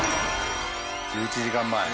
１１時間前。